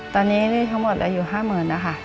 ตอนนี้ทั้งหมดอยู่๕หมื่นนะคะ